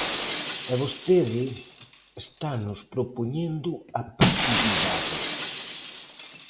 E vostede estanos propoñendo a pasividade.